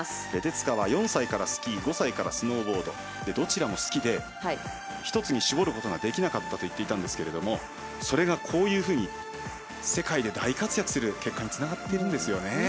レデツカは４歳からスキー５歳からスノーボードどちらも好きで１つに絞れなかったと言っていたんですけどそれが、こういうふうに世界で大活躍する結果につながったんですね。